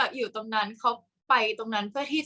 กากตัวทำอะไรบ้างอยู่ตรงนี้คนเดียว